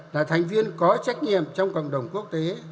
là thành viên có trách nhiệm trong cộng đồng quốc tế